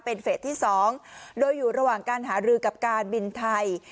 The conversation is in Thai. เป็นเฟสที่๒โดยอยู่ระหว่างการหารือกับการบินไทย